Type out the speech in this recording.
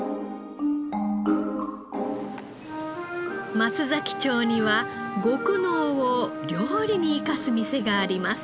松崎町には極濃を料理に生かす店があります。